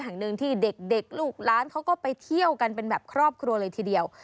แห่งหนึ่งที่เด็กลูกล้านเขาก็ไปเที่ยวกันเป็นแบบครอบครัวเลยทีเดียว